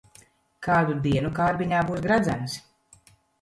Kādu dienu kārbiņā būs gredzens.